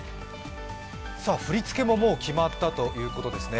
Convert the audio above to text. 振り付けももう決まったということですね。